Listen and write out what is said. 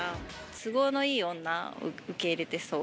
都合のいい女を受け入れてそう。